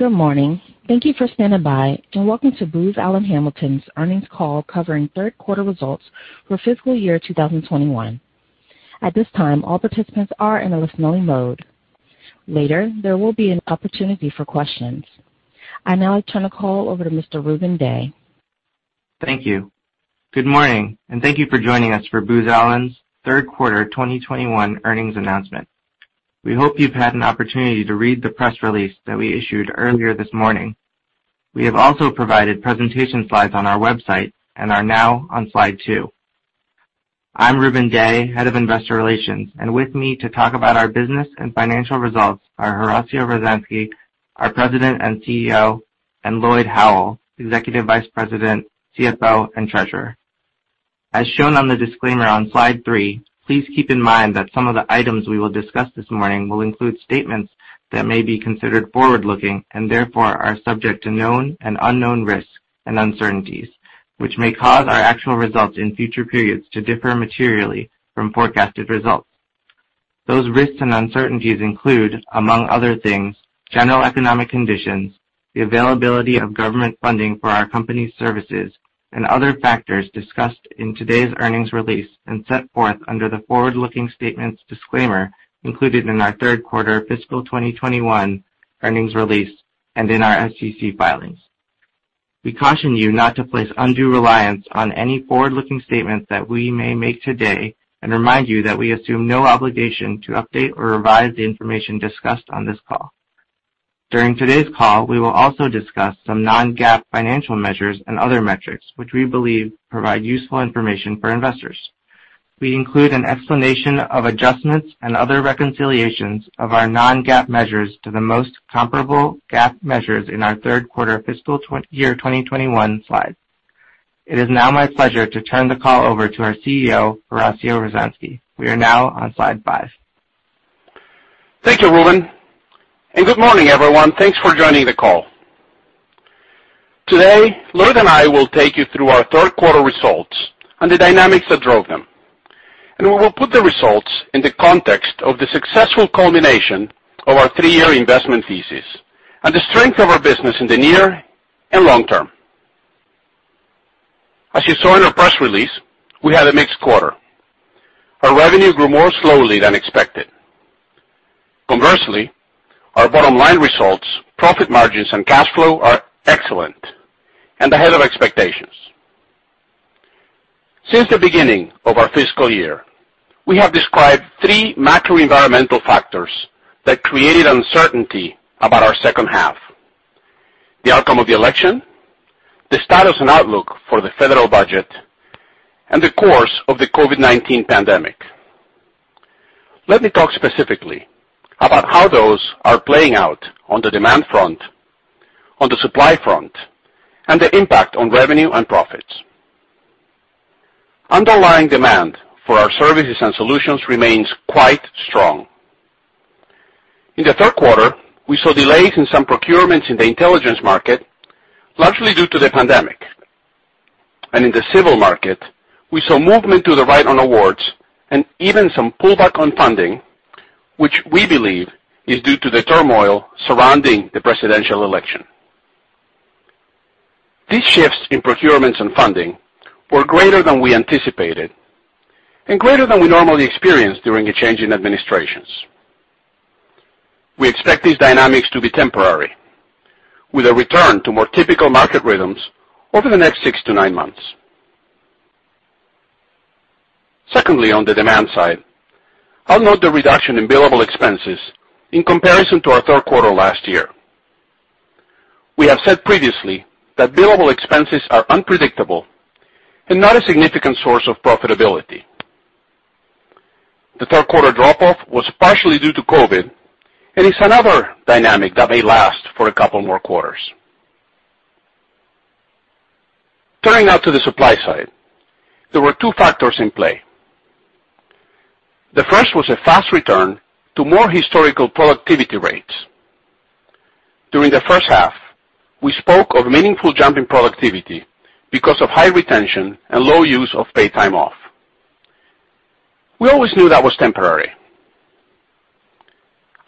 Good morning. Thank you for standing by and welcome to Booz Allen Hamilton's earnings call covering third quarter results for fiscal year 2021. At this time, all participants are in a listening mode. Later, there will be an opportunity for questions. I now turn the call over to Mr. Rubun Dey. Thank you. Good morning, and thank you for joining us for Booz Allen's third quarter 2021 earnings announcement. We hope you've had an opportunity to read the press release that we issued earlier this morning. We have also provided presentation slides on our website and are now on slide two. I'm Rubun Dey, Head of Investor Relations, and with me to talk about our business and financial results are Horacio Rozanski, our President and CEO, and Lloyd Howell, Executive Vice President, CFO, and Treasurer. As shown on the disclaimer on slide three, please keep in mind that some of the items we will discuss this morning will include statements that may be considered forward-looking and therefore are subject to known and unknown risks and uncertainties, which may cause our actual results in future periods to differ materially from forecasted results. Those risks and uncertainties include, among other things, general economic conditions, the availability of government funding for our company's services, and other factors discussed in today's earnings release and set forth under the forward-looking statements disclaimer included in our third quarter fiscal 2021 earnings release and in our SEC filings. We caution you not to place undue reliance on any forward-looking statements that we may make today and remind you that we assume no obligation to update or revise the information discussed on this call. During today's call, we will also discuss some non-GAAP financial measures and other metrics which we believe provide useful information for investors. We include an explanation of adjustments and other reconciliations of our non-GAAP measures to the most comparable GAAP measures in our third quarter fiscal year 2021 slide. It is now my pleasure to turn the call over to our CEO, Horacio Rozanski. We are now on slide five. Thank you, Rubun, and good morning, everyone. Thanks for joining the call. Today, Lloyd and I will take you through our third quarter results and the dynamics that drove them, and we will put the results in the context of the successful culmination of our three-year investment thesis and the strength of our business in the near and long term. As you saw in our press release, we had a mixed quarter. Our revenue grew more slowly than expected. Conversely, our bottom line results, profit margins, and cash flow are excellent and ahead of expectations. Since the beginning of our fiscal year, we have described three macro-environmental factors that created uncertainty about our second half: the outcome of the election, the status and outlook for the federal budget, and the course of the COVID-19 pandemic. Let me talk specifically about how those are playing out on the demand front, on the supply front, and the impact on revenue and profits. Underlying demand for our services and solutions remains quite strong. In the third quarter, we saw delays in some procurements in the Intelligence market, largely due to the pandemic, and in the Civil market, we saw movement to the right on awards and even some pullback on funding, which we believe is due to the turmoil surrounding the presidential election. These shifts in procurements and funding were greater than we anticipated and greater than we normally experience during a change in administrations. We expect these dynamics to be temporary, with a return to more typical market rhythms over the next six to nine months. Secondly, on the demand side, I'll note the reduction in billable expenses in comparison to our third quarter last year. We have said previously that billable expenses are unpredictable and not a significant source of profitability. The third quarter drop-off was partially due to COVID, and it's another dynamic that may last for a couple more quarters. Turning now to the supply side, there were two factors in play. The first was a fast return to more historical productivity rates. During the first half, we spoke of meaningful jump in productivity because of high retention and low use of paid time off. We always knew that was temporary.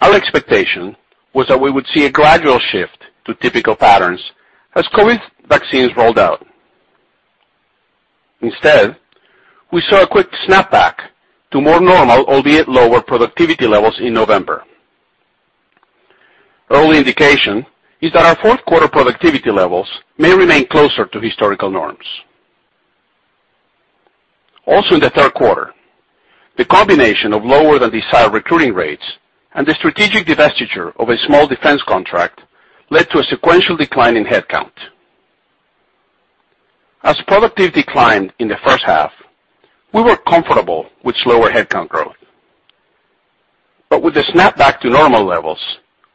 Our expectation was that we would see a gradual shift to typical patterns as COVID vaccines rolled out. Instead, we saw a quick snapback to more normal, albeit lower, productivity levels in November. Early indication is that our fourth quarter productivity levels may remain closer to historical norms. Also, in the third quarter, the combination of lower than desired recruiting rates and the strategic divestiture of a small defense contract led to a sequential decline in headcount. As productivity climbed in the first half, we were comfortable with slower headcount growth. But with the snapback to normal levels,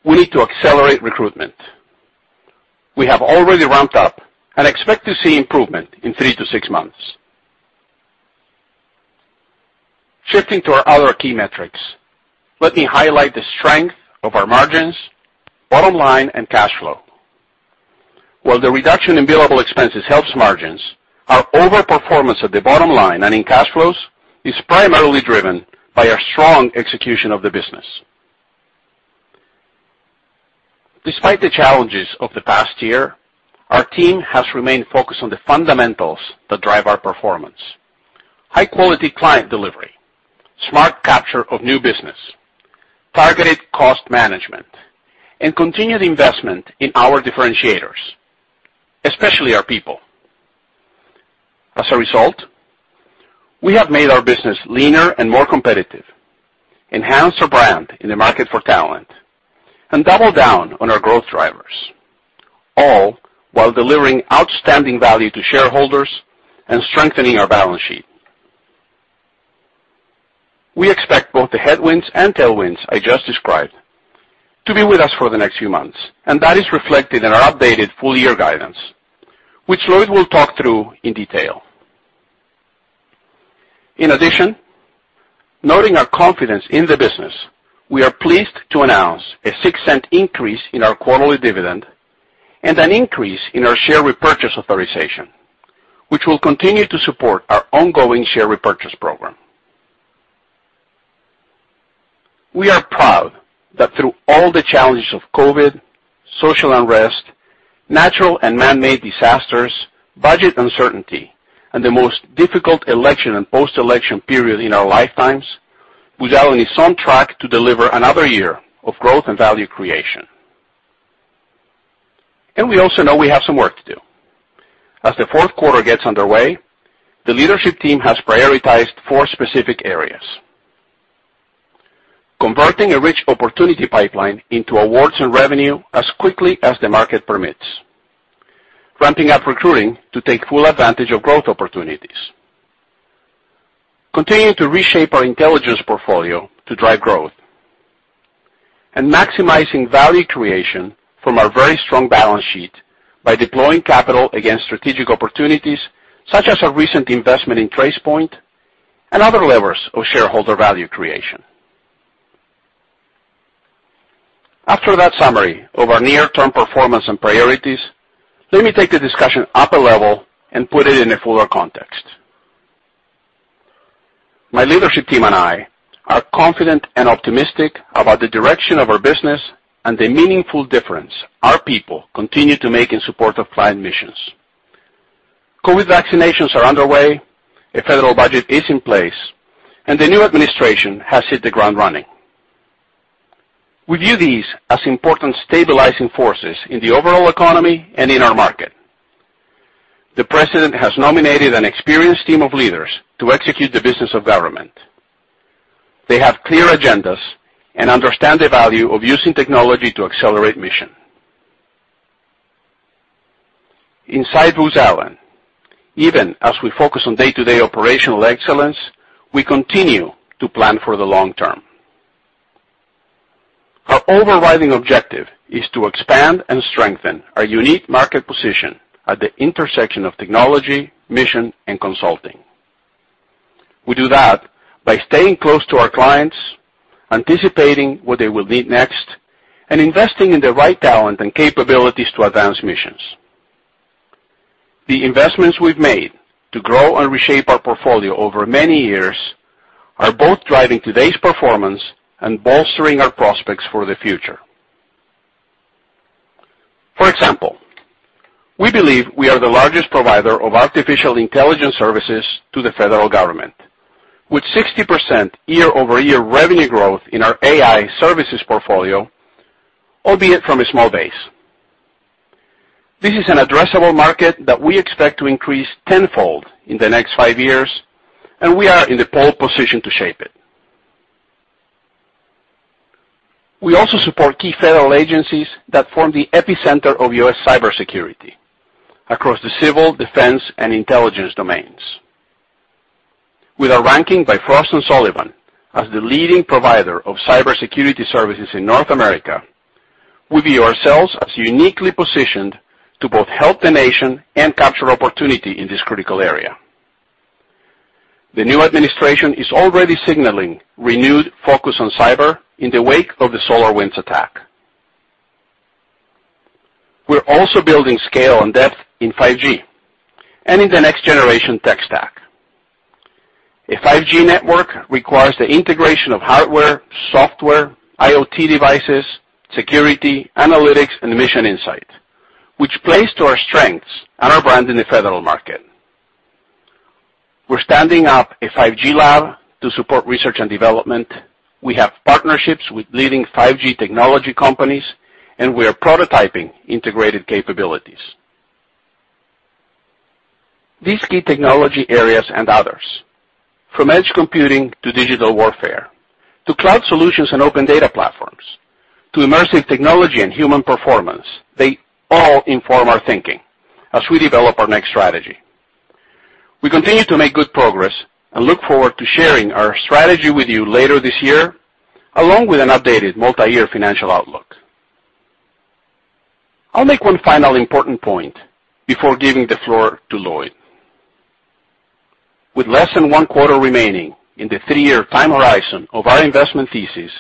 we need to accelerate recruitment. We have already ramped up and expect to see improvement in three to six months. Shifting to our other key metrics, let me highlight the strength of our margins, bottom line, and cash flow. While the reduction in billable expenses helps margins, our overperformance at the bottom line and in cash flows is primarily driven by our strong execution of the business. Despite the challenges of the past year, our team has remained focused on the fundamentals that drive our performance: high-quality client delivery, smart capture of new business, targeted cost management, and continued investment in our differentiators, especially our people. As a result, we have made our business leaner and more competitive, enhanced our brand in the market for talent, and doubled down on our growth drivers, all while delivering outstanding value to shareholders and strengthening our balance sheet. We expect both the headwinds and tailwinds I just described to be with us for the next few months, and that is reflected in our updated full year guidance, which Lloyd will talk through in detail. In addition, noting our confidence in the business, we are pleased to announce a $0.06 increase in our quarterly dividend and an increase in our share repurchase authorization, which will continue to support our ongoing share repurchase program. We are proud that through all the challenges of COVID, social unrest, natural and manmade disasters, budget uncertainty, and the most difficult election and post-election period in our lifetimes, we've now been on track to deliver another year of growth and value creation, and we also know we have some work to do. As the fourth quarter gets underway, the leadership team has prioritized four specific areas: converting a rich opportunity pipeline into awards and revenue as quickly as the market permits, ramping up recruiting to take full advantage of growth opportunities, continuing to reshape our intelligence portfolio to drive growth, and maximizing value creation from our very strong balance sheet by deploying capital against strategic opportunities such as our recent investment in Tracepoint and other levers of shareholder value creation. After that summary of our near-term performance and priorities, let me take the discussion up a level and put it in a fuller context. My leadership team and I are confident and optimistic about the direction of our business and the meaningful difference our people continue to make in support of client missions. COVID vaccinations are underway, a federal budget is in place, and the new administration has hit the ground running. We view these as important stabilizing forces in the overall economy and in our market. The president has nominated an experienced team of leaders to execute the business of government. They have clear agendas and understand the value of using technology to accelerate mission. Inside Booz Allen, even as we focus on day-to-day operational excellence, we continue to plan for the long term. Our overriding objective is to expand and strengthen our unique market position at the intersection of Technology, Mission, and Consulting. We do that by staying close to our clients, anticipating what they will need next, and investing in the right talent and capabilities to advance missions. The investments we've made to grow and reshape our portfolio over many years are both driving today's performance and bolstering our prospects for the future. For example, we believe we are the largest provider of Artificial Intelligence services to the federal government, with 60% year-over-year revenue growth in our AI services portfolio, albeit from a small base. This is an addressable market that we expect to increase tenfold in the next five years, and we are in the pole position to shape it. We also support key federal agencies that form the epicenter of U.S. Cybersecurity across the civil, defense, and intelligence domains. With our ranking by Frost & Sullivan as the leading provider of cybersecurity services in North America, we view ourselves as uniquely positioned to both help the nation and capture opportunity in this critical area. The new administration is already signaling renewed focus on cyber in the wake of the SolarWinds attack. We're also building scale and depth in 5G and in the next-generation tech stack. A 5G network requires the integration of hardware, software, IoT devices, security, analytics, and mission insight, which plays to our strengths and our brand in the federal market. We're standing up a 5G lab to support research and development. We have partnerships with leading 5G technology companies, and we are prototyping integrated capabilities. These key technology areas and others, from edge computing to digital warfare to cloud solutions and open data platforms to immersive technology and human performance, they all inform our thinking as we develop our next strategy. We continue to make good progress and look forward to sharing our strategy with you later this year, along with an updated multi-year financial outlook. I'll make one final important point before giving the floor to Lloyd. With less than one quarter remaining in the three-year time horizon of our investment thesis,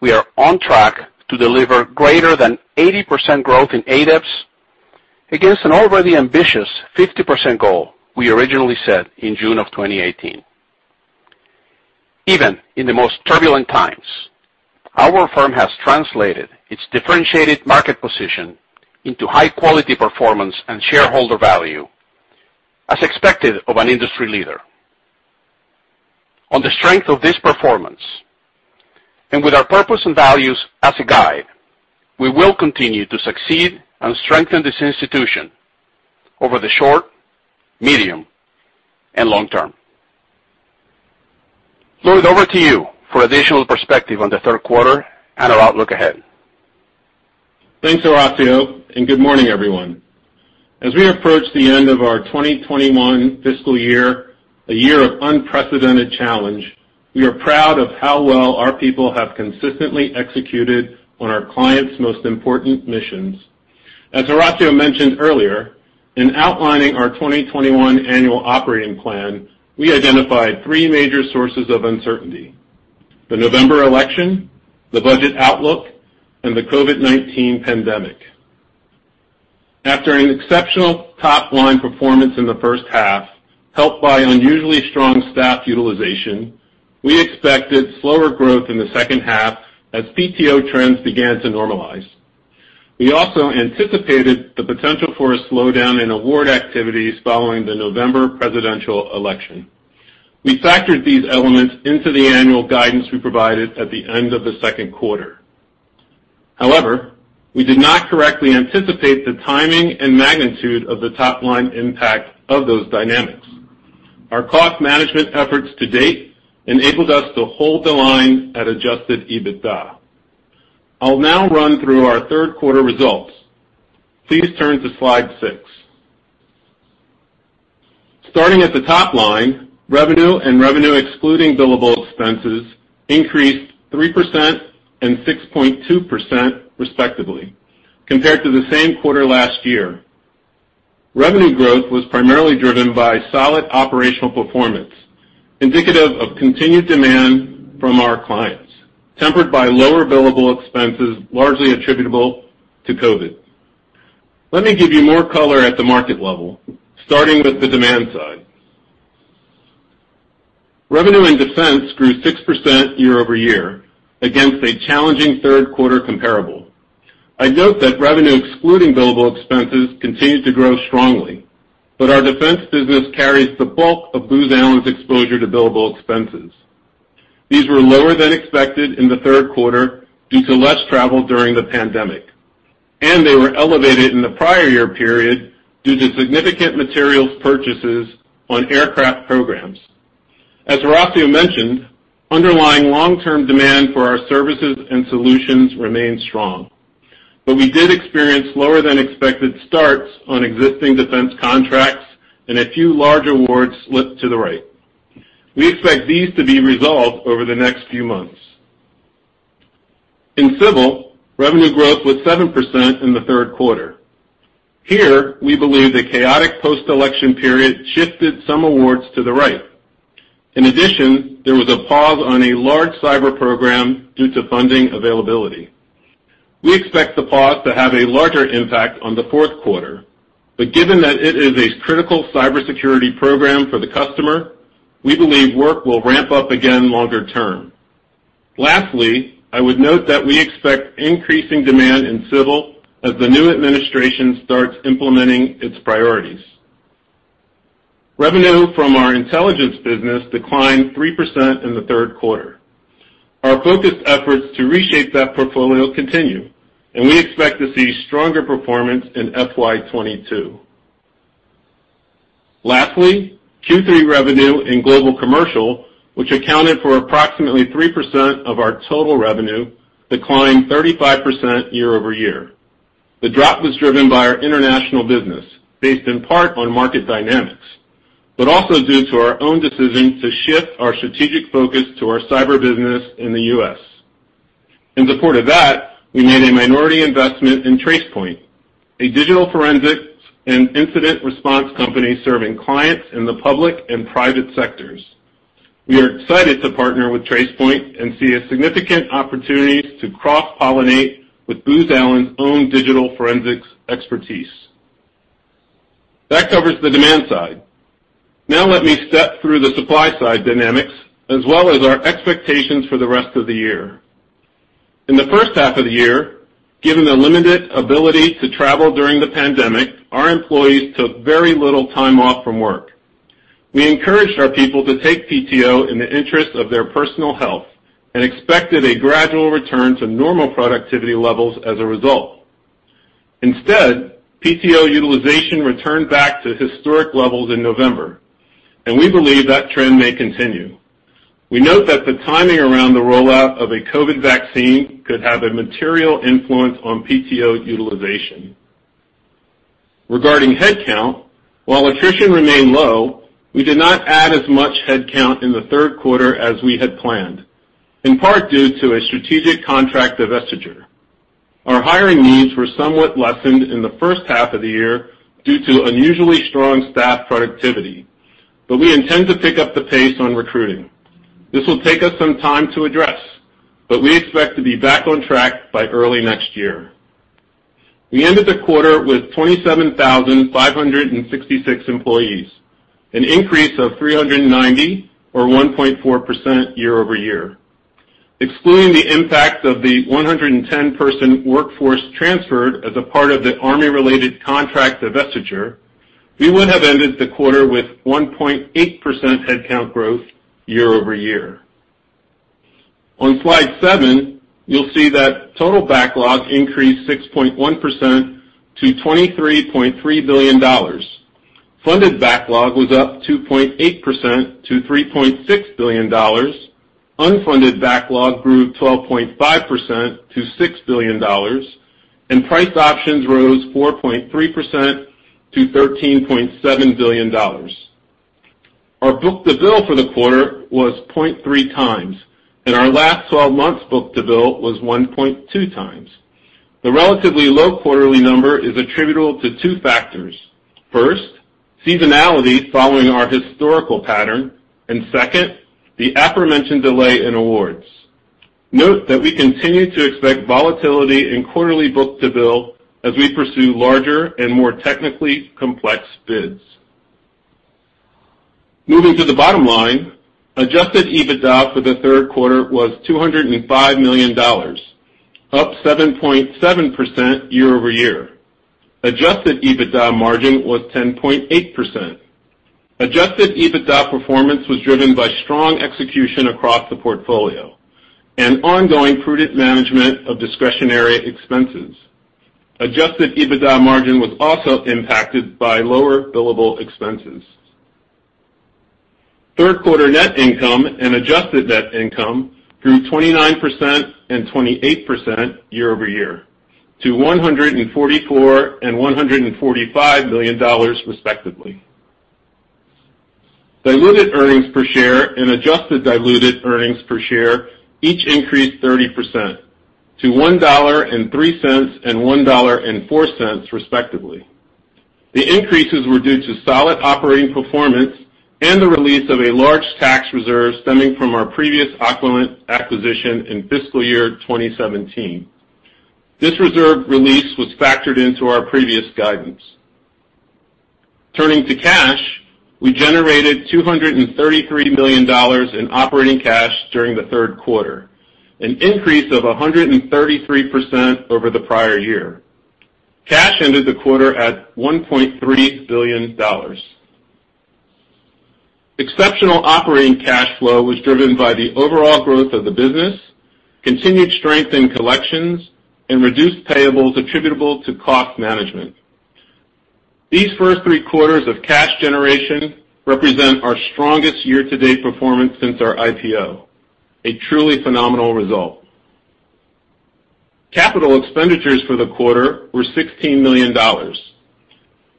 we are on track to deliver greater than 80% growth in ADEPS against an already ambitious 50% goal we originally set in June of 2018. Even in the most turbulent times, our firm has translated its differentiated market position into high-quality performance and shareholder value, as expected of an industry leader. On the strength of this performance and with our purpose and values as a guide, we will continue to succeed and strengthen this institution over the short, medium, and long term. Lloyd, over to you for additional perspective on the third quarter and our outlook ahead. Thanks, Horacio, and good morning, everyone. As we approach the end of our 2021 fiscal year, a year of unprecedented challenge, we are proud of how well our people have consistently executed on our clients' most important missions. As Horacio mentioned earlier, in outlining our 2021 annual operating plan, we identified three major sources of uncertainty: the November election, the budget outlook, and the COVID-19 pandemic. After an exceptional top-line performance in the first half, helped by unusually strong staff utilization, we expected slower growth in the second half as PTO trends began to normalize. We also anticipated the potential for a slowdown in award activities following the November presidential election. We factored these elements into the annual guidance we provided at the end of the second quarter. However, we did not correctly anticipate the timing and magnitude of the top-line impact of those dynamics. Our cost management efforts to date enabled us to hold the line at adjusted EBITDA. I'll now run through our third quarter results. Please turn to slide six. Starting at the top line, revenue and revenue excluding billable expenses increased 3% and 6.2%, respectively, compared to the same quarter last year. Revenue growth was primarily driven by solid operational performance, indicative of continued demand from our clients, tempered by lower billable expenses largely attributable to COVID. Let me give you more color at the market level, starting with the demand side. Defense revenue grew 6% year-over-year against a challenging third quarter comparable. I'd note that revenue excluding billable expenses continued to grow strongly, but our defense business carries the bulk of Booz Allen's exposure to billable expenses. These were lower than expected in the third quarter due to less travel during the pandemic, and they were elevated in the prior year period due to significant materials purchases on aircraft programs. As Horacio mentioned, underlying long-term demand for our services and solutions remained strong, but we did experience lower-than-expected starts on existing defense contracts and a few large awards slipped to the right. We expect these to be resolved over the next few months. In civil, revenue growth was 7% in the third quarter. Here, we believe the chaotic post-election period shifted some awards to the right. In addition, there was a pause on a large cyber program due to funding availability. We expect the pause to have a larger impact on the fourth quarter, but given that it is a critical cybersecurity program for the customer, we believe work will ramp up again longer term. Lastly, I would note that we expect increasing demand in civil as the new administration starts implementing its priorities. Revenue from our intelligence business declined 3% in the third quarter. Our focused efforts to reshape that portfolio continue, and we expect to see stronger performance in FY 2022. Lastly, Q3 revenue in Global Commercial, which accounted for approximately 3% of our total revenue, declined 35% year-over-year. The drop was driven by our international business, based in part on market dynamics, but also due to our own decision to shift our strategic focus to our cyber business in the U.S. In support of that, we made a minority investment in Tracepoint, a digital forensics and incident response company serving clients in the public and private sectors. We are excited to partner with Tracepoint and see a significant opportunity to cross-pollinate with Booz Allen's own digital forensics expertise. That covers the demand side. Now let me step through the supply-side dynamics, as well as our expectations for the rest of the year. In the first half of the year, given the limited ability to travel during the pandemic, our employees took very little time off from work. We encouraged our people to take PTO in the interest of their personal health and expected a gradual return to normal productivity levels as a result. Instead, PTO utilization returned back to historic levels in November, and we believe that trend may continue. We note that the timing around the rollout of a COVID vaccine could have a material influence on PTO utilization. Regarding headcount, while attrition remained low, we did not add as much headcount in the third quarter as we had planned, in part due to a strategic contract divestiture. Our hiring needs were somewhat lessened in the first half of the year due to unusually strong staff productivity, but we intend to pick up the pace on recruiting. This will take us some time to address, but we expect to be back on track by early next year. We ended the quarter with 27,566 employees, an increase of 390 or 1.4% year-over-year. Excluding the impact of the 110 person workforce transferred as a part of the army-related contract divestiture, we would have ended the quarter with 1.8% headcount growth year-over-year. On slide seven, you'll see that total backlog increased 6.1% to $23.3 billion. Funded backlog was up 2.8% to $3.6 billion. Unfunded backlog grew 12.5% to $6 billion, and priced options rose 4.3% to $13.7 billion. Our book-to-bill for the quarter was 0.3x, and our last 12 months' book-to-bill was 1.2x. The relatively low quarterly number is attributable to two factors. First, seasonality following our historical pattern, and second, the aforementioned delay in awards. Note that we continue to expect volatility in quarterly book-to-bill as we pursue larger and more technically complex bids. Moving to the bottom line, adjusted EBITDA for the third quarter was $205 million, up 7.7% year-over-year. Adjusted EBITDA margin was 10.8%. Adjusted EBITDA performance was driven by strong execution across the portfolio and ongoing prudent management of discretionary expenses. Adjusted EBITDA margin was also impacted by lower billable expenses. Third quarter net income and adjusted net income grew 29% and 28% year-over-year to $144 million and $145 million, respectively. Diluted earnings per share and adjusted diluted earnings per share each increased 30% to $1.03 and $1.04, respectively. The increases were due to solid operating performance and the release of a large tax reserve stemming from our previous acquisition in fiscal year 2017. This reserve release was factored into our previous guidance. Turning to cash, we generated $233 million in operating cash during the third quarter, an increase of 133% over the prior year. Cash ended the quarter at $1.3 billion. Exceptional operating cash flow was driven by the overall growth of the business, continued strength in collections, and reduced payables attributable to cost management. These first three quarters of cash generation represent our strongest year-to-date performance since our IPO, a truly phenomenal result. Capital expenditures for the quarter were $16 million.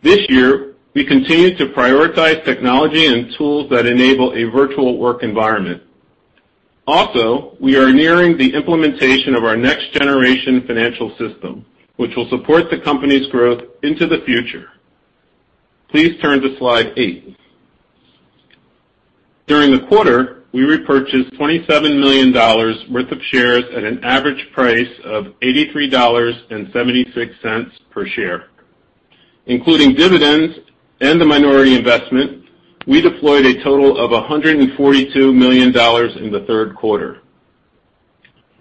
This year, we continue to prioritize technology and tools that enable a virtual work environment. Also, we are nearing the implementation of our next-generation financial system, which will support the company's growth into the future. Please turn to slide eight. During the quarter, we repurchased $27 million worth of shares at an average price of $83.76 per share. Including dividends and the minority investment, we deployed a total of $142 million in the third quarter.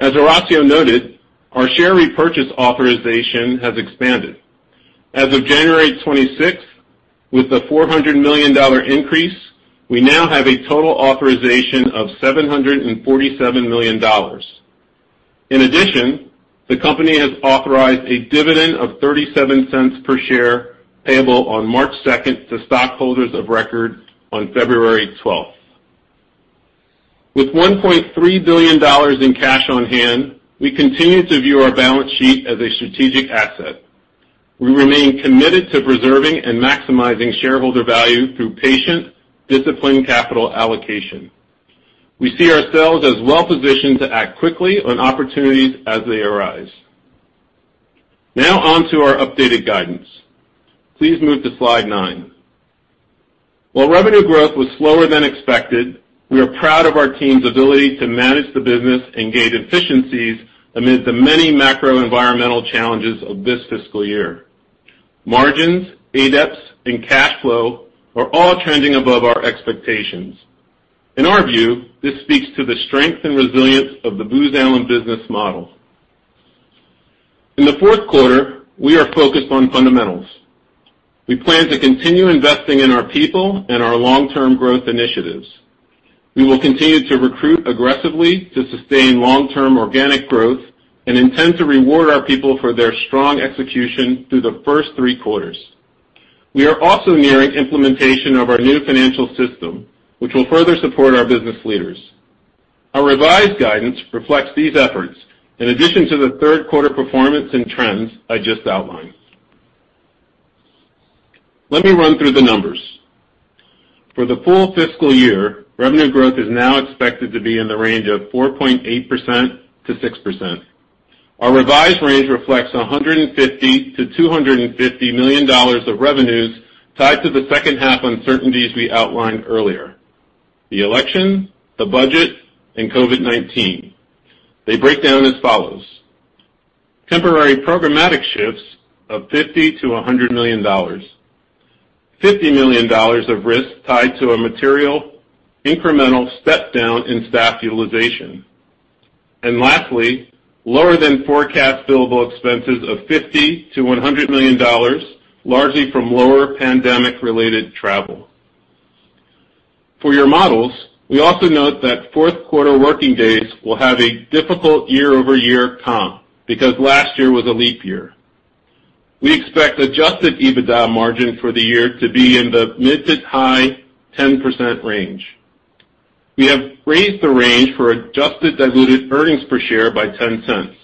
As Horacio noted, our share repurchase authorization has expanded. As of January 26th, with the $400 million increase, we now have a total authorization of $747 million. In addition, the company has authorized a dividend of $0.37 per share payable on March 2nd to stockholders of record on February 12th. With $1.3 billion in cash on hand, we continue to view our balance sheet as a strategic asset. We remain committed to preserving and maximizing shareholder value through patient, disciplined capital allocation. We see ourselves as well-positioned to act quickly on opportunities as they arise. Now on to our updated guidance. Please move to slide nine. While revenue growth was slower than expected, we are proud of our team's ability to manage the business and gain efficiencies amid the many macro-environmental challenges of this fiscal year. Margins, ADEPS, and cash flow are all trending above our expectations. In our view, this speaks to the strength and resilience of the Booz Allen business model. In the fourth quarter, we are focused on fundamentals. We plan to continue investing in our people and our long-term growth initiatives. We will continue to recruit aggressively to sustain long-term organic growth and intend to reward our people for their strong execution through the first three quarters. We are also nearing implementation of our new financial system, which will further support our business leaders. Our revised guidance reflects these efforts, in addition to the third quarter performance and trends I just outlined. Let me run through the numbers. For the full fiscal year, revenue growth is now expected to be in the range of 4.8%-6%. Our revised range reflects $150 million-$250 million of revenues tied to the second half uncertainties we outlined earlier: the election, the budget, and COVID-19. They break down as follows: temporary programmatic shifts of $50 million-$100 million, $50 million of risk tied to a material incremental step-down in staff utilization, and lastly, lower-than-forecast billable expenses of $50 million-$100 million, largely from lower pandemic-related travel. For your models, we also note that fourth quarter working days will have a difficult year-over-year comp because last year was a leap year. We expect adjusted EBITDA margin for the year to be in the mid to high 10% range. We have raised the range for adjusted diluted earnings per share by $0.10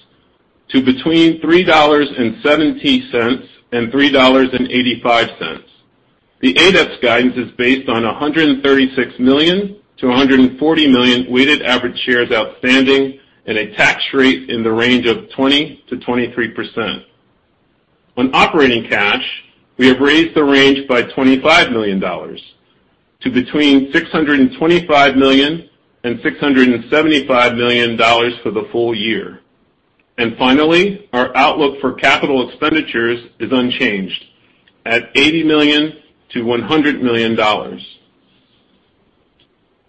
to between $3.70 and $3.85. The ADEPS guidance is based on $136 million-$140 million weighted average shares outstanding and a tax rate in the range of 20%-23%. On operating cash, we have raised the range by $25 million to between $625 million and $675 million for the full year. And finally, our outlook for capital expenditures is unchanged at $80 million-$100 million.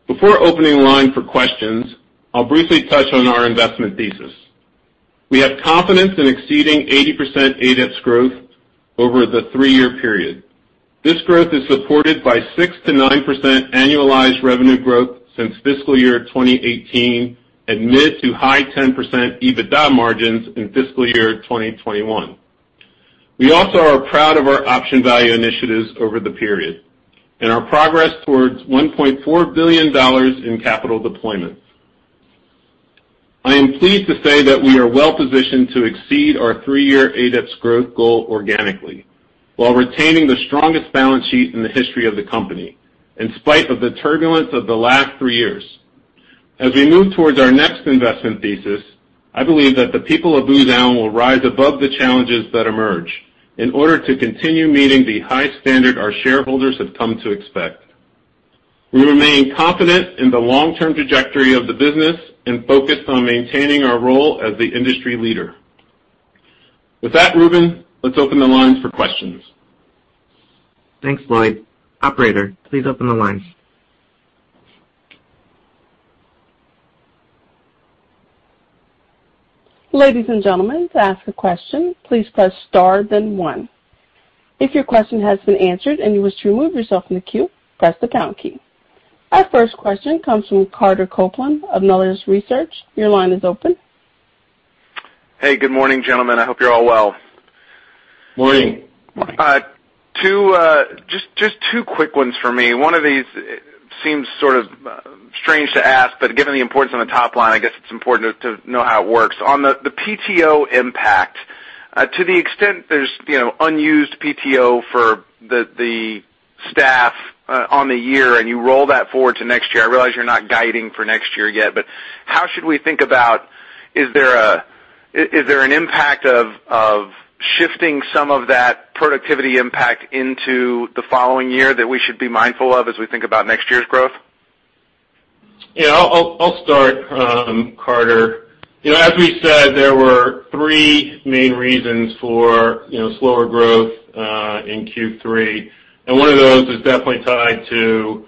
Before opening the line for questions, I'll briefly touch on our investment thesis. We have confidence in exceeding 80% ADEPS growth over the three-year period. This growth is supported by 6%-9% annualized revenue growth since fiscal year 2018 and mid to high 10% EBITDA margins in fiscal year 2021. We also are proud of our option value initiatives over the period and our progress towards $1.4 billion in capital deployment. I am pleased to say that we are well-positioned to exceed our three-year ADEPS growth goal organically while retaining the strongest balance sheet in the history of the company, in spite of the turbulence of the last three years. As we move towards our next investment thesis, I believe that the people of Booz Allen will rise above the challenges that emerge in order to continue meeting the high standard our shareholders have come to expect. We remain confident in the long-term trajectory of the business and focused on maintaining our role as the industry leader. With that, Rubun, let's open the lines for questions. Thanks, Lloyd. Operator, please open the lines. Ladies and gentlemen, to ask a question, please press star then one. If your question has been answered and you wish to remove yourself from the queue, press the pound key. Our first question comes from Carter Copeland of Melius Research. Your line is open. Hey, good morning, gentlemen. I hope you're all well. Morning. Just two quick ones for me. One of these seems sort of strange to ask, but given the importance on the top line, I guess it's important to know how it works. On the PTO impact, to the extent there's unused PTO for the staff on the year and you roll that forward to next year, I realize you're not guiding for next year yet, but how should we think about, is there an impact of shifting some of that productivity impact into the following year that we should be mindful of as we think about next year's growth? Yeah, I'll start, Carter. As we said, there were three main reasons for slower growth in Q3, and one of those is definitely tied to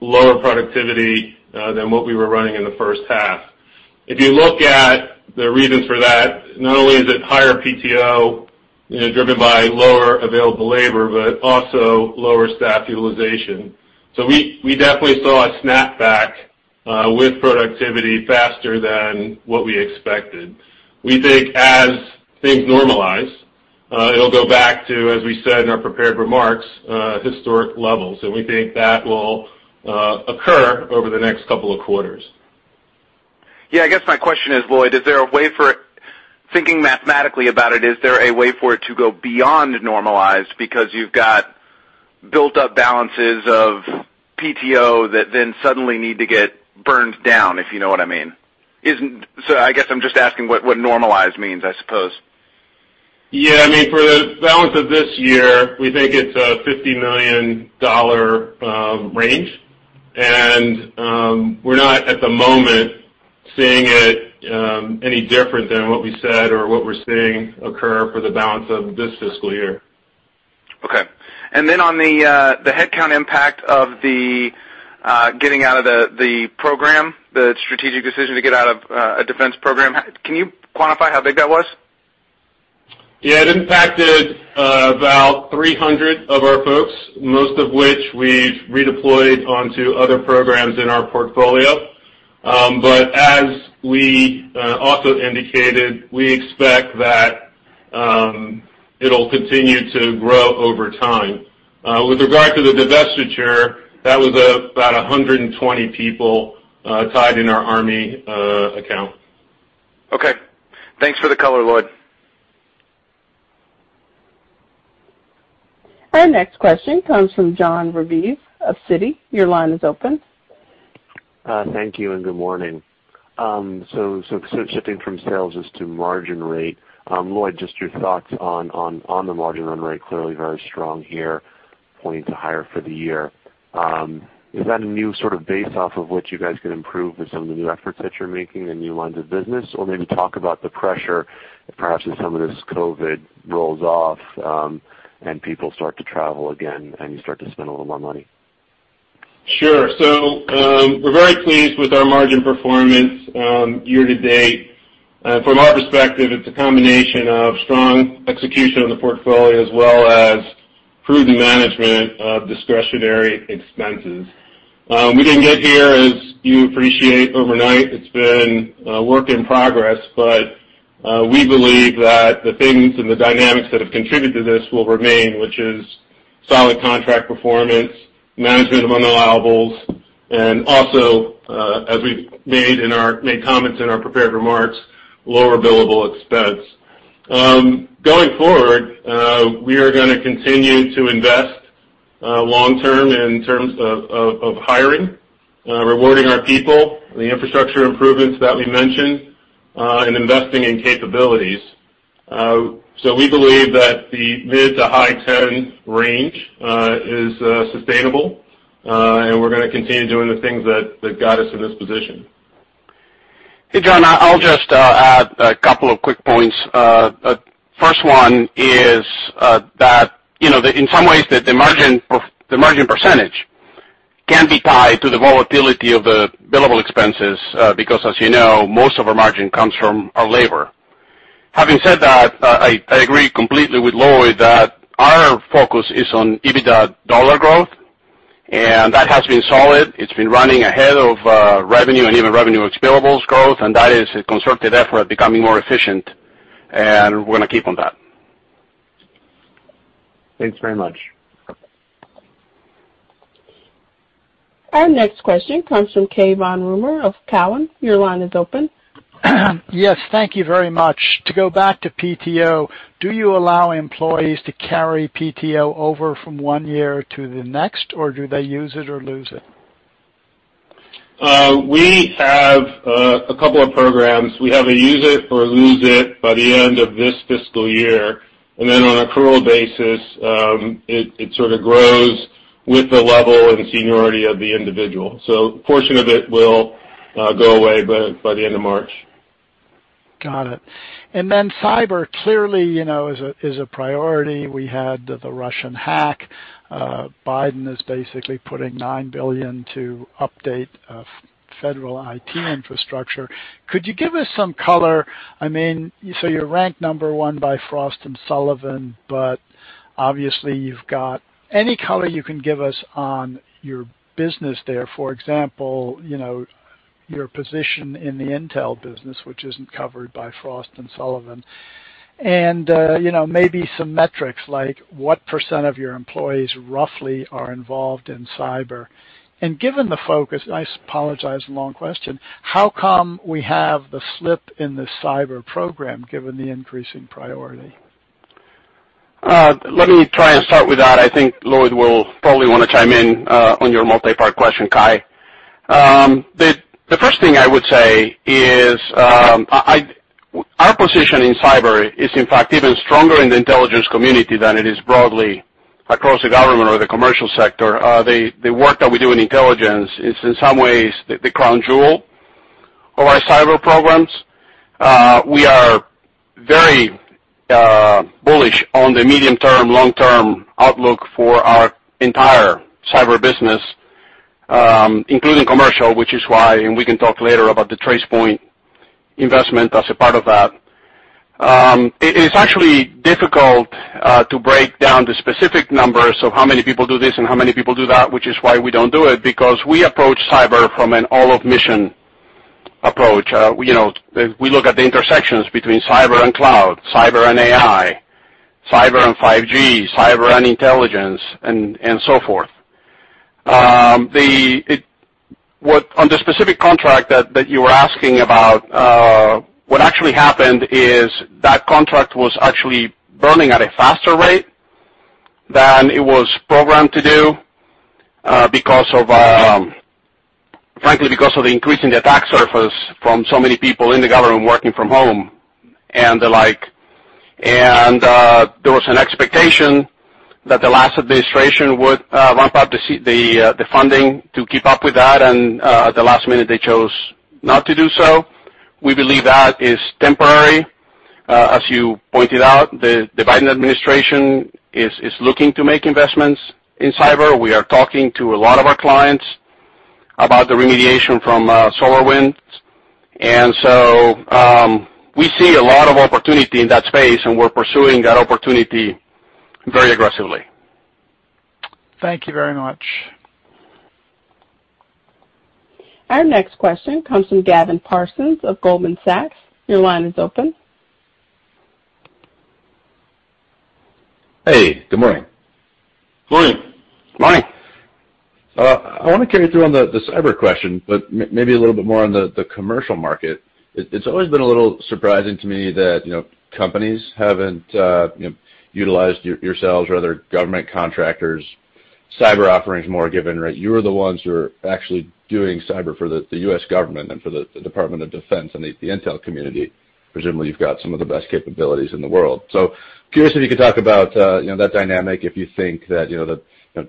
lower productivity than what we were running in the first half. If you look at the reasons for that, not only is it higher PTO driven by lower available labor, but also lower staff utilization. So we definitely saw a snapback with productivity faster than what we expected. We think as things normalize, it'll go back to, as we said in our prepared remarks, historic levels, and we think that will occur over the next couple of quarters. Yeah, I guess my question is, Lloyd, is there a way for thinking mathematically about it, is there a way for it to go beyond normalized because you've got built-up balances of PTO that then suddenly need to get burned down, if you know what I mean? So I guess I'm just asking what normalized means, I suppose. Yeah, I mean, for the balance of this year, we think it's a $50 million range, and we're not at the moment seeing it any different than what we said or what we're seeing occur for the balance of this fiscal year. Okay. And then on the headcount impact of the getting out of the program, the strategic decision to get out of a defense program, can you quantify how big that was? Yeah, it impacted about 300 of our folks, most of which we've redeployed onto other programs in our portfolio. But as we also indicated, we expect that it'll continue to grow over time. With regard to the divestiture, that was about 120 people tied in our army account. Okay. Thanks for the color, Lloyd. Our next question comes from Jon Raviv of Citi. Your line is open. Thank you and good morning. So shifting from sales just to margin rate, Lloyd, just your thoughts on the margin run rate clearly very strong here, pointing to higher for the year. Is that a new sort of base off of what you guys can improve with some of the new efforts that you're making, the new lines of business, or maybe talk about the pressure perhaps as some of this COVID rolls off and people start to travel again and you start to spend a little more money? Sure. We're very pleased with our margin performance year-to-date. From our perspective, it's a combination of strong execution on the portfolio as well as prudent management of discretionary expenses. We didn't get here, as you appreciate, overnight. It's been a work in progress, but we believe that the things and the dynamics that have contributed to this will remain, which is solid contract performance, management of unallowables, and also, as we've made comments in our prepared remarks, lower billable expense. Going forward, we are going to continue to invest long-term in terms of hiring, rewarding our people, the infrastructure improvements that we mentioned, and investing in capabilities. We believe that the mid to high 10% range is sustainable, and we're going to continue doing the things that got us in this position. Hey, Jon, I'll just add a couple of quick points. First one is that in some ways, the margin percentage can be tied to the volatility of the billable expenses because, as you know, most of our margin comes from our labor. Having said that, I agree completely with Lloyd that our focus is on EBITDA dollar growth, and that has been solid. It's been running ahead of revenue and even revenue ex billables growth, and that is a concerted effort at becoming more efficient, and we're going to keep on that. Thanks very much. Our next question comes from Cai von Rumohr of Cowen. Your line is open. Yes, thank you very much. To go back to PTO, do you allow employees to carry PTO over from one year to the next, or do they use it or lose it? We have a couple of programs. We have a use it or lose it by the end of this fiscal year, and then on an accrual basis, it sort of grows with the level and seniority of the individual. So a portion of it will go away by the end of March. Got it. And then cyber clearly is a priority. We had the Russian hack. Biden is basically putting $9 billion to update federal IT infrastructure. Could you give us some color? I mean, so you're ranked number one by Frost & Sullivan, but obviously you've got any color you can give us on your business there. For example, your position in the intel business, which isn't covered by Frost & Sullivan, and maybe some metrics like what percent of your employees roughly are involved in cyber. And given the focus, and I apologize, long question, how come we have the slip in the cyber program given the increasing priority? Let me try and start with that. I think Lloyd will probably want to chime in on your multi-part question, Cai. The first thing I would say is our position in cyber is, in fact, even stronger in the intelligence community than it is broadly across the government or the commercial sector. The work that we do in intelligence is, in some ways, the crown jewel of our cyber programs. We are very bullish on the medium-term, long-term outlook for our entire cyber business, including commercial, which is why, and we can talk later about the Tracepoint investment as a part of that. It's actually difficult to break down the specific numbers of how many people do this and how many people do that, which is why we don't do it, because we approach cyber from an all-of-mission approach. We look at the intersections between Cyber and Cloud, Cyber and AI, Cyber and 5G, Cyber and Intelligence, and so forth. On the specific contract that you were asking about, what actually happened is that contract was actually burning at a faster rate than it was programmed to do, frankly, because of the increase in the attack surface from so many people in the government working from home and the like. And there was an expectation that the last administration would ramp up the funding to keep up with that, and at the last minute, they chose not to do so. We believe that is temporary. As you pointed out, the Biden administration is looking to make investments in cyber. We are talking to a lot of our clients about the remediation from SolarWinds, and so we see a lot of opportunity in that space, and we're pursuing that opportunity very aggressively. Thank you very much. Our next question comes from Gavin Parsons of Goldman Sachs. Your line is open. Hey, good morning. Good morning. Morning. I want to carry through on the cyber question, but maybe a little bit more on the commercial market. It's always been a little surprising to me that companies haven't utilized yourselves or other government contractors' cyber offerings more, given you're the ones who are actually doing cyber for the U.S. government and for the Department of Defense and the intel community. Presumably, you've got some of the best capabilities in the world. So curious if you could talk about that dynamic, if you think that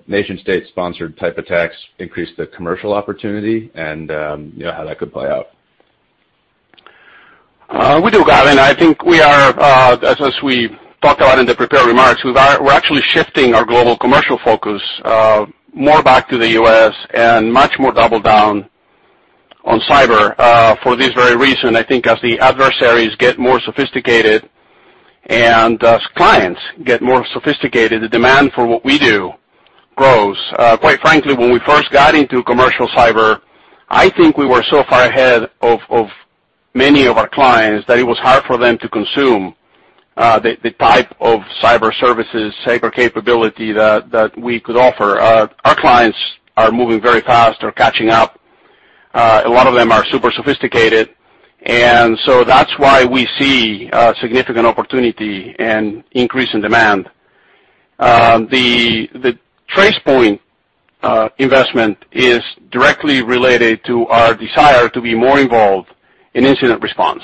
nation-state-sponsored type attacks increase the commercial opportunity and how that could play out. We do, Gavin. I think we are, as we talked about in the prepared remarks, we're actually shifting our global commercial focus more back to the U.S. and much more double down on cyber for this very reason. I think as the adversaries get more sophisticated and as clients get more sophisticated, the demand for what we do grows. Quite frankly, when we first got into commercial cyber, I think we were so far ahead of many of our clients that it was hard for them to consume the type of cyber services, cyber capability that we could offer. Our clients are moving very fast. They're catching up. A lot of them are super sophisticated, and so that's why we see significant opportunity and increase in demand. The Tracepoint investment is directly related to our desire to be more involved in incident response.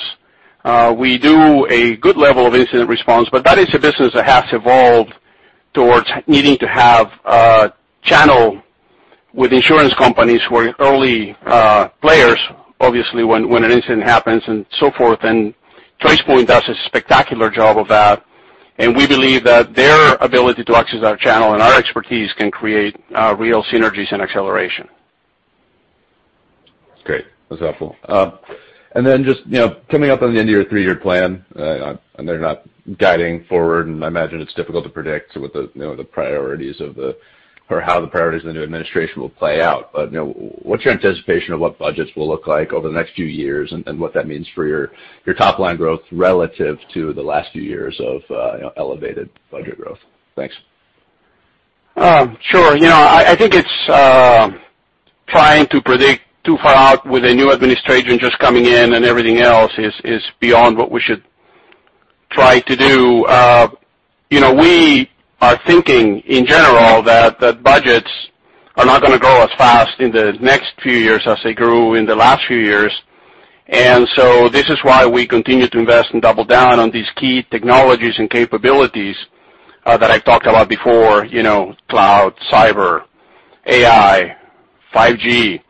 We do a good level of incident response, but that is a business that has evolved towards needing to have a channel with insurance companies who are early players, obviously, when an incident happens and so forth. And Tracepoint does a spectacular job of that, and we believe that their ability to access our channel and our expertise can create real synergies and acceleration. Great. That's helpful. And then just coming up on the end of your three-year plan, and they're not guiding forward, and I imagine it's difficult to predict what the priorities of the or how the priorities of the new administration will play out, but what's your anticipation of what budgets will look like over the next few years and what that means for your top-line growth relative to the last few years of elevated budget growth? Thanks. Sure. I think it's trying to predict too far out with a new administration just coming in and everything else is beyond what we should try to do. We are thinking, in general, that budgets are not going to grow as fast in the next few years as they grew in the last few years, and so this is why we continue to invest and double down on these key technologies and capabilities that I've talked about before: Cloud, Cyber, AI, 5G,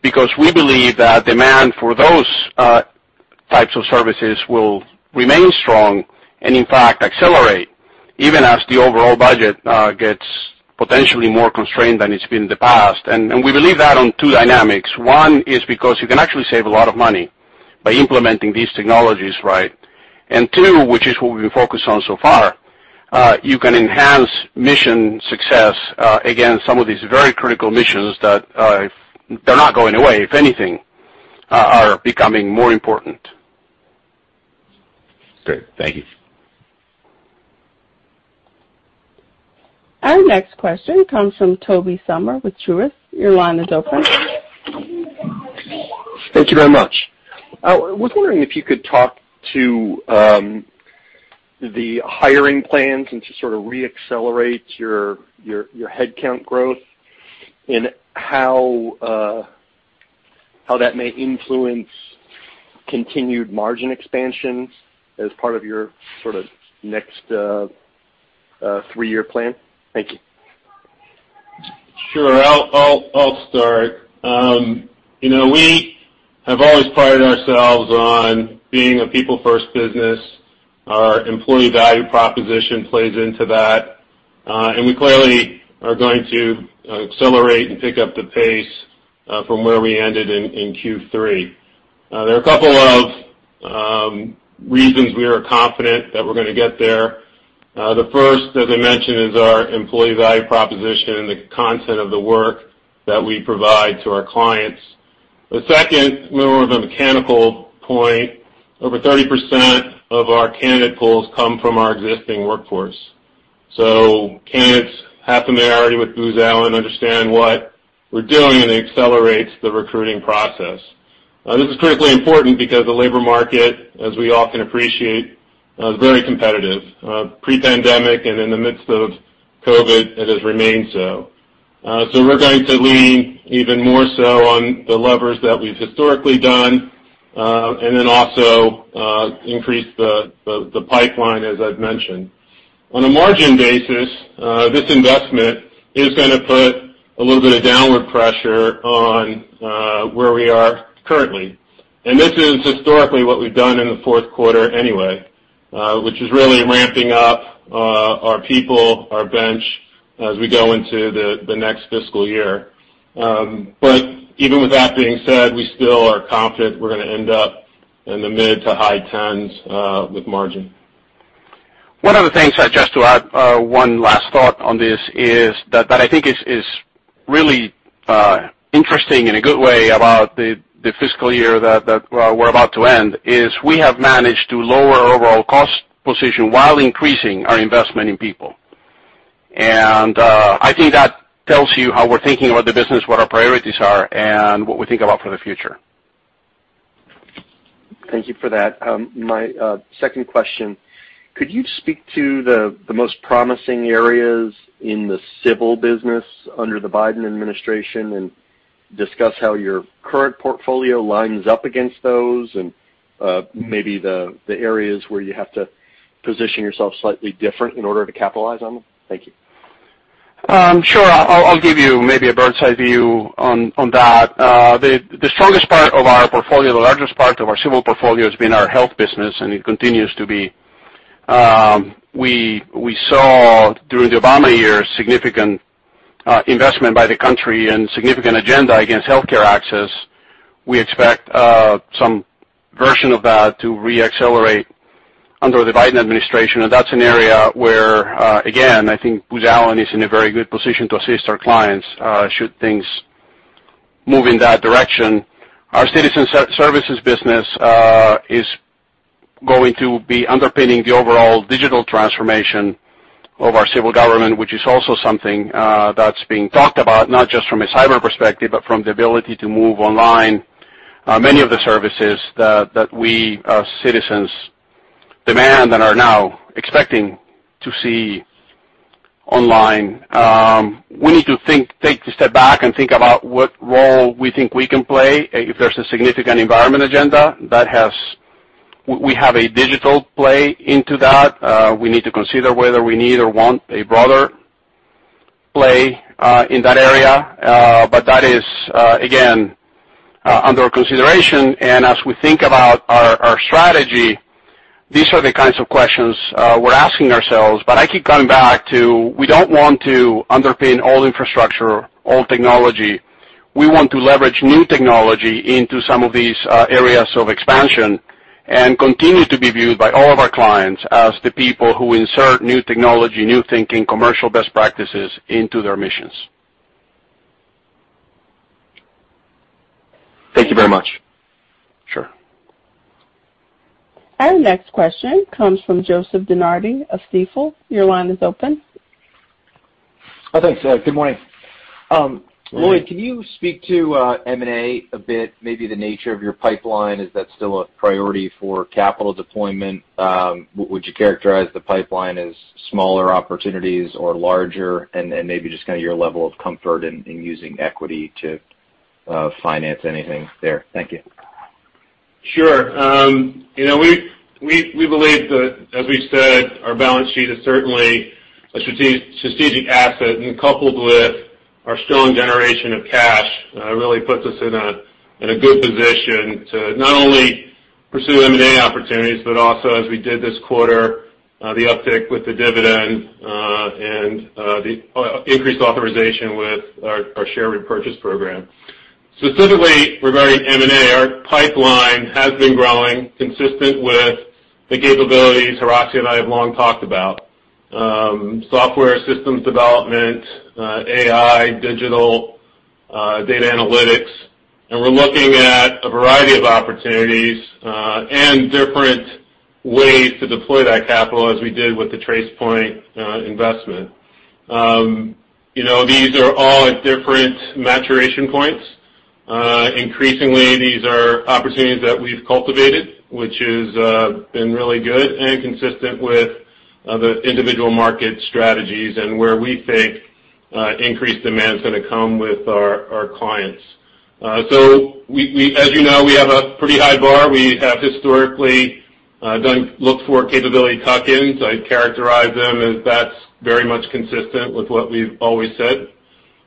because we believe that demand for those types of services will remain strong and, in fact, accelerate even as the overall budget gets potentially more constrained than it's been in the past, and we believe that on two dynamics. One is because you can actually save a lot of money by implementing these technologies, right? Two, which is what we've been focused on so far, you can enhance mission success against some of these very critical missions that, if they're not going away, if anything, are becoming more important. Great. Thank you. Our next question comes from Tobey Sommer with Truist. Your line is open. Thank you very much. I was wondering if you could talk to the hiring plans and to sort of re-accelerate your headcount growth and how that may influence continued margin expansion as part of your sort of next three-year plan? Thank you. Sure. I'll start. We have always prided ourselves on being a people-first business. Our employee value proposition plays into that, and we clearly are going to accelerate and pick up the pace from where we ended in Q3. There are a couple of reasons we are confident that we're going to get there. The first, as I mentioned, is our employee value proposition and the content of the work that we provide to our clients. The second, more of a mechanical point, over 30% of our candidate pools come from our existing workforce. So candidates have familiarity with Booz Allen, understand what we're doing, and it accelerates the recruiting process. This is critically important because the labor market, as we all can appreciate, is very competitive. Pre-pandemic and in the midst of COVID, it has remained so. So we're going to lean even more so on the levers that we've historically done and then also increase the pipeline, as I've mentioned. On a margin basis, this investment is going to put a little bit of downward pressure on where we are currently. And this is historically what we've done in the fourth quarter anyway, which is really ramping up our people, our bench, as we go into the next fiscal year. But even with that being said, we still are confident we're going to end up in the mid to high 10s with margin. One of the things I just want to add, one last thought on this, is that I think is really interesting in a good way about the fiscal year that we're about to end is we have managed to lower our overall cost position while increasing our investment in people. And I think that tells you how we're thinking about the business, what our priorities are, and what we think about for the future. Thank you for that. My second question, could you speak to the most promising areas in the civil business under the Biden administration and discuss how your current portfolio lines up against those and maybe the areas where you have to position yourself slightly different in order to capitalize on them? Thank you. Sure. I'll give you maybe a bird's-eye view on that. The strongest part of our portfolio, the largest part of our civil portfolio, has been our Health business, and it continues to be. We saw during the Obama years significant investment by the country and significant agenda against healthcare access. We expect some version of that to re-accelerate under the Biden administration, and that's an area where, again, I think Booz Allen is in a very good position to assist our clients should things move in that direction. Our Citizen Services business is going to be underpinning the overall digital transformation of our civil government, which is also something that's being talked about, not just from a cyber perspective, but from the ability to move online. Many of the services that we as citizens demand and are now expecting to see online. We need to take a step back and think about what role we think we can play if there's a significant environmental agenda that has. We have a digital play into that. We need to consider whether we need or want a broader play in that area, but that is, again, under consideration, and as we think about our strategy, these are the kinds of questions we're asking ourselves, but I keep coming back to we don't want to underpin all infrastructure, all technology. We want to leverage new technology into some of these areas of expansion and continue to be viewed by all of our clients as the people who insert new technology, new thinking, commercial best practices into their missions. Thank you very much. Sure. Our next question comes from Joseph DeNardi of Stifel. Your line is open. Thanks. Good morning. Good morning. Lloyd, can you speak to M&A a bit? Maybe the nature of your pipeline? Is that still a priority for capital deployment? Would you characterize the pipeline as smaller opportunities or larger, and maybe just kind of your level of comfort in using equity to finance anything there? Thank you. Sure. We believe that, as we said, our balance sheet is certainly a strategic asset, and coupled with our strong generation of cash, it really puts us in a good position to not only pursue M&A opportunities, but also, as we did this quarter, the uptick with the dividend and the increased authorization with our share repurchase program. Specifically regarding M&A, our pipeline has been growing consistent with the capabilities Horacio and I have long talked about: software systems development, AI, digital data analytics. We're looking at a variety of opportunities and different ways to deploy that capital as we did with the Tracepoint investment. These are all at different maturation points. Increasingly, these are opportunities that we've cultivated, which has been really good and consistent with the individual market strategies and where we think increased demand is going to come with our clients. So, as you know, we have a pretty high bar. We have historically looked for capability tuck-ins. I'd characterize them as that's very much consistent with what we've always said,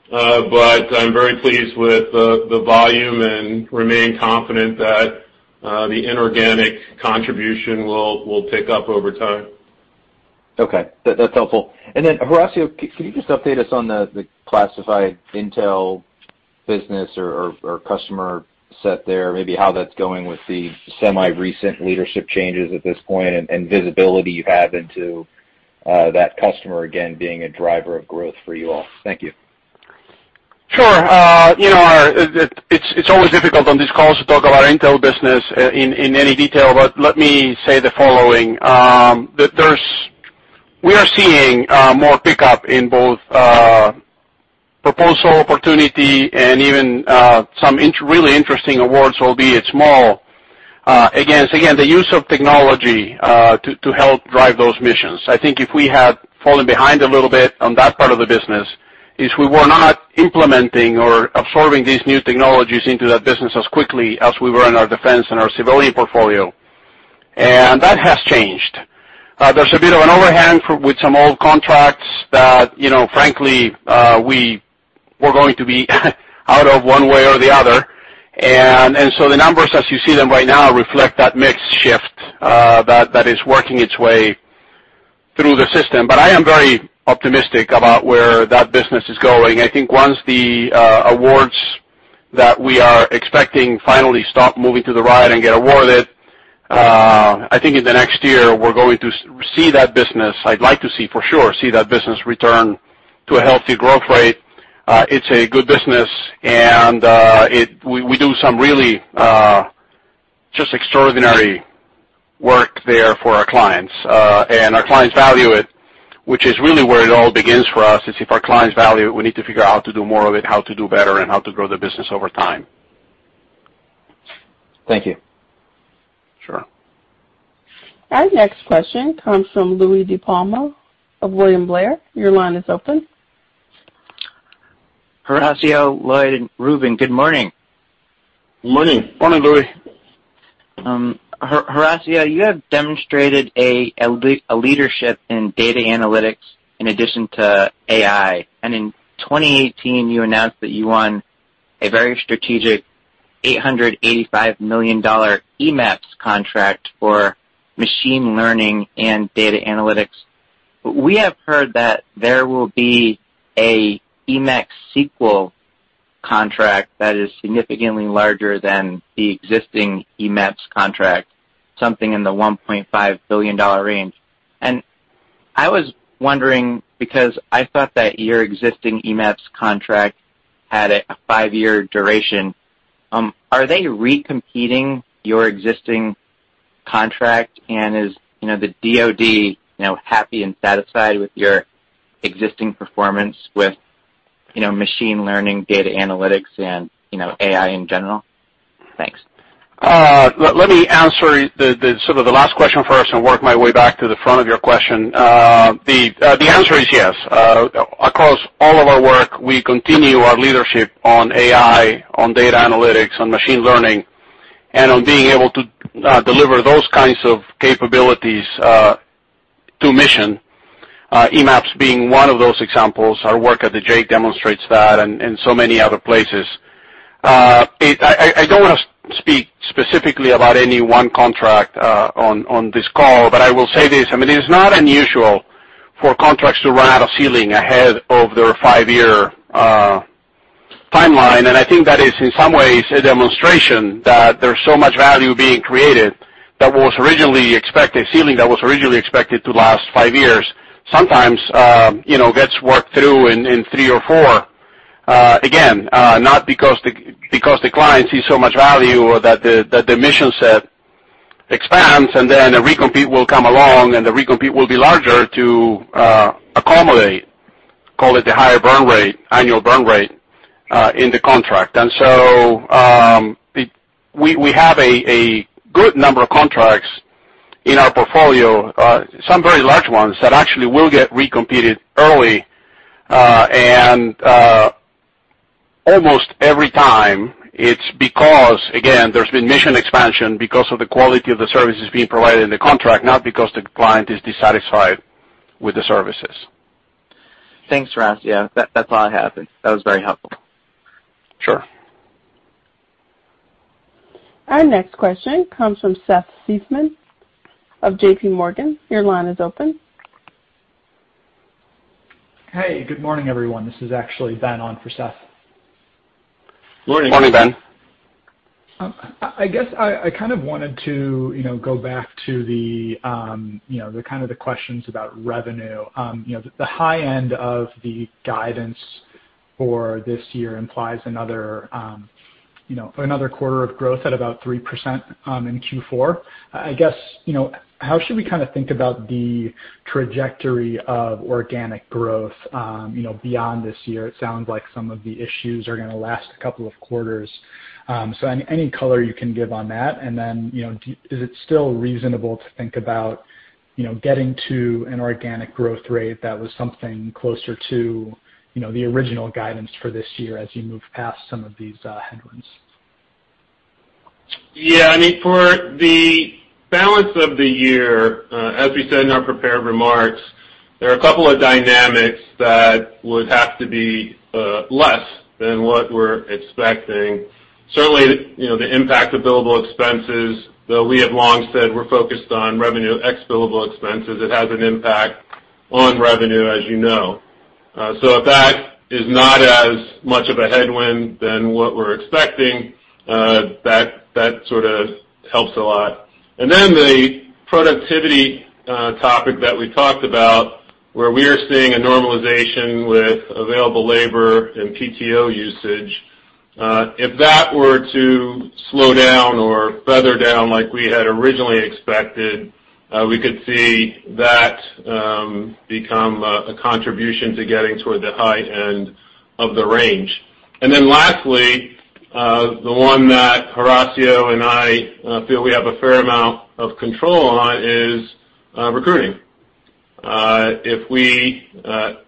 but I'm very pleased with the volume and remain confident that the inorganic contribution will pick up over time. Okay. That's helpful. And then Horacio, can you just update us on the classified intel business or customer set there, maybe how that's going with the semi-recent leadership changes at this point and visibility you have into that customer, again, being a driver of growth for you all? Thank you. Sure. It's always difficult on these calls to talk about intel business in any detail, but let me say the following. We are seeing more pickup in both proposal opportunity and even some really interesting awards, albeit small, against, again, the use of technology to help drive those missions. I think if we had fallen behind a little bit on that part of the business is we were not implementing or absorbing these new technologies into that business as quickly as we were in our defense and our civilian portfolio. And that has changed. There's a bit of an overhang with some old contracts that, frankly, we were going to be out of one way or the other. And so the numbers, as you see them right now, reflect that mix shift that is working its way through the system. But I am very optimistic about where that business is going. I think once the awards that we are expecting finally stop moving to the right and get awarded, I think in the next year we're going to see that business. I'd like to see, for sure, see that business return to a healthy growth rate. It's a good business, and we do some really just extraordinary work there for our clients, and our clients value it, which is really where it all begins for us. It's if our clients value it, we need to figure out how to do more of it, how to do better, and how to grow the business over time. Thank you. Sure. Our next question comes from Louie DiPalma of William Blair. Your line is open. Horacio, Lloyd, and Rubun. Good morning. Good morning. Morning, Louie. Horacio, you have demonstrated a leadership in Data Analytics in addition to AI. And in 2018, you announced that you won a very strategic $885 million EMAPS contract for machine learning and data analytics. We have heard that there will be an EMAPS sequel contract that is significantly larger than the existing EMAPS contract, something in the $1.5 billion range. And I was wondering because I thought that your existing EMAPS contract had a five-year duration. Are they re-competing your existing contract? And is the DoD happy and satisfied with your existing performance with machine learning, data analytics, and AI in general? Thanks. Let me answer sort of the last question first and work my way back to the front of your question. The answer is yes. Across all of our work, we continue our leadership on AI, on data analytics, on machine learning and on being able to deliver those kinds of capabilities to mission. EMAPS being one of those examples. Our work at the JAIC demonstrates that and so many other places. I don't want to speak specifically about any one contract on this call, but I will say this. I mean, it is not unusual for contracts to run out of ceiling ahead of their five-year timeline. And I think that is, in some ways, a demonstration that there's so much value being created that was originally expected, ceiling that was originally expected to last five years, sometimes gets worked through in three or four. Again, not because the client sees so much value or that the mission set expands, and then a re-compete will come along, and the re-compete will be larger to accommodate, call it the higher burn rate, annual burn rate in the contract. And so we have a good number of contracts in our portfolio, some very large ones that actually will get re-competed early. And almost every time, it's because, again, there's been mission expansion because of the quality of the services being provided in the contract, not because the client is dissatisfied with the services. Thanks, Horacio. That's all I have. That was very helpful. Sure. Our next question comes from Seth Seifman of JPMorgan. Your line is open. Hey. Good morning, everyone. This is actually Ben on for Seth. Morning. Morning, Ben. I guess I kind of wanted to go back to the kind of the questions about revenue. The high end of the guidance for this year implies another quarter of growth at about 3% in Q4. I guess how should we kind of think about the trajectory of organic growth beyond this year? It sounds like some of the issues are going to last a couple of quarters. So any color you can give on that. And then is it still reasonable to think about getting to an organic growth rate that was something closer to the original guidance for this year as you move past some of these headwinds? Yeah. I mean, for the balance of the year, as we said in our prepared remarks, there are a couple of dynamics that would have to be less than what we're expecting. Certainly, the impact of billable expenses, though we have long said we're focused on revenue ex billable expenses, it has an impact on revenue, as you know. So if that is not as much of a headwind than what we're expecting, that sort of helps a lot. And then the productivity topic that we talked about, where we are seeing a normalization with available labor and PTO usage, if that were to slow down or feather down like we had originally expected, we could see that become a contribution to getting toward the high end of the range. And then lastly, the one that Horacio and I feel we have a fair amount of control on is recruiting. If we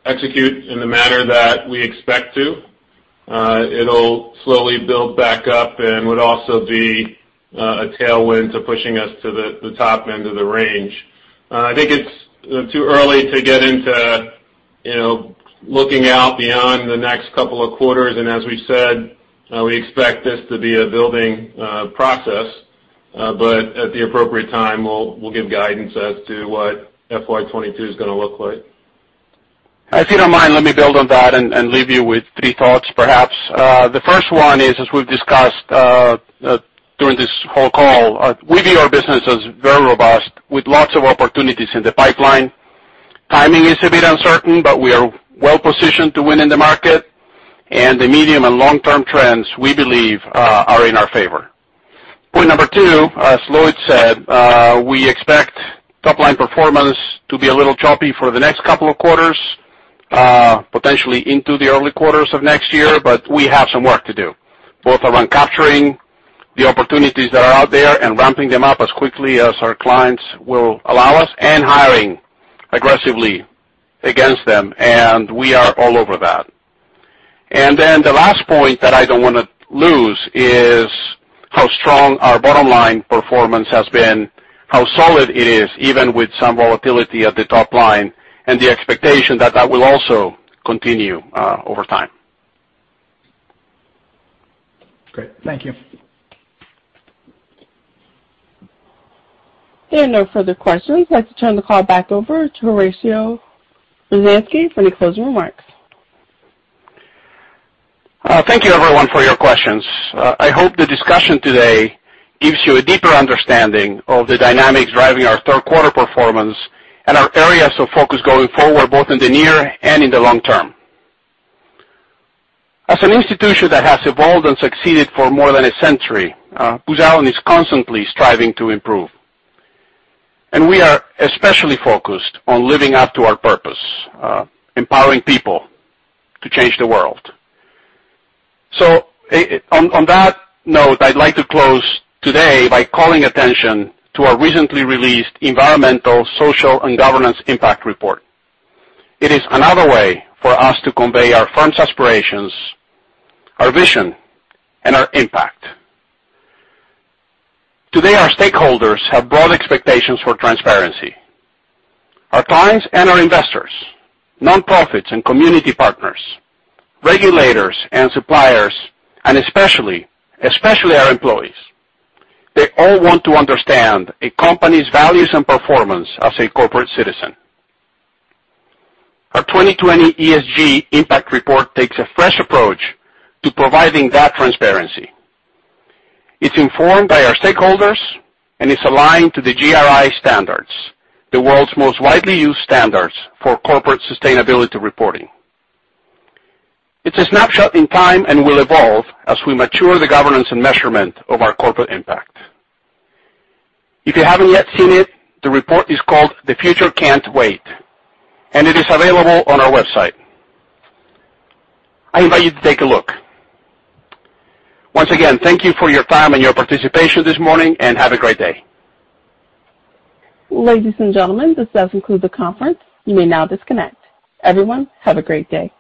execute in the manner that we expect to, it'll slowly build back up and would also be a tailwind to pushing us to the top end of the range. I think it's too early to get into looking out beyond the next couple of quarters, and as we've said, we expect this to be a building process, but at the appropriate time, we'll give guidance as to what FY 2022 is going to look like. If you don't mind, let me build on that and leave you with three thoughts, perhaps. The first one is, as we've discussed during this whole call, we view our business as very robust with lots of opportunities in the pipeline. Timing is a bit uncertain, but we are well-positioned to win in the market. And the medium and long-term trends, we believe, are in our favor. Point number two, as Lloyd said, we expect top-line performance to be a little choppy for the next couple of quarters, potentially into the early quarters of next year, but we have some work to do, both around capturing the opportunities that are out there and ramping them up as quickly as our clients will allow us and hiring aggressively against them. And we are all over that. And then the last point that I don't want to lose is how strong our bottom-line performance has been, how solid it is, even with some volatility at the top line, and the expectation that that will also continue over time. Great. Thank you. No further questions. I'd like to turn the call back over to Horacio Rozanski for any closing remarks. Thank you, everyone, for your questions. I hope the discussion today gives you a deeper understanding of the dynamics driving our third quarter performance and our areas of focus going forward both in the near and in the long term. As an institution that has evolved and succeeded for more than a century, Booz Allen is constantly striving to improve, and we are especially focused on living up to our purpose, empowering people to change the world. So on that note, I'd like to close today by calling attention to our recently released Environmental, Social, and Governance Impact Report. It is another way for us to convey our firm's aspirations, our vision, and our impact. Today, our stakeholders have broad expectations for transparency. Our clients and our investors, nonprofits and community partners, regulators and suppliers, and especially our employees, they all want to understand a company's values and performance as a corporate citizen. Our 2020 ESG Impact Report takes a fresh approach to providing that transparency. It's informed by our stakeholders, and it's aligned to the GRI Standards the world's most widely used standards for corporate sustainability reporting. It's a snapshot in time and will evolve as we mature the governance and measurement of our corporate impact. If you haven't yet seen it, the report is called The Future Can't Wait, and it is available on our website. I invite you to take a look. Once again, thank you for your time and your participation this morning, and have a great day. Ladies and gentlemen, this does conclude the conference. You may now disconnect. Everyone, have a great day.